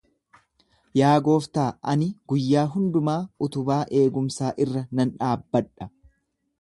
Yaa gooftaa, ani guyyaa hundumaa utubaa eegumsaa irra nan dhaabbadha.